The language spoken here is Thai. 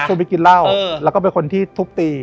ไปกินเหล้าแล้วก็เป็นคนที่ทุบตี